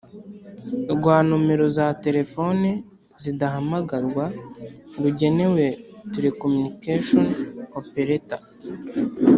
rwa nomero za telefoni zidahamagarwa rugenewe Telecommunication operator